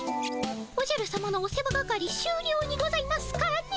おじゃるさまのお世話係しゅうりょうにございますかね。